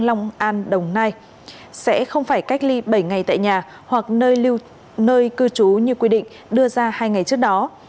long an đồng nai sẽ không phải cách ly bảy ngày tại nhà hoặc nơi cư trú như quy định đưa ra hai ngày trước đó